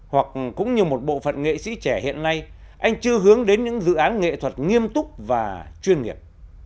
hoặc cũng như một bộ phận nghệ sĩ trẻ hiện nay anh chưa hướng đến những dự án nghệ thuật nghiêm túc và chuyên nghiệp